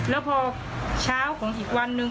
แล้วพอเช้าของอีกวันหนึ่ง